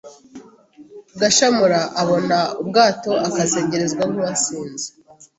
Gashamura Abona ubwato Akazengerezwa nk’uwasinze